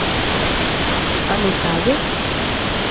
A metade?